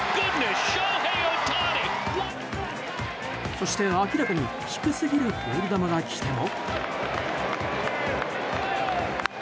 そして、明らかに低すぎるボール球が来ても。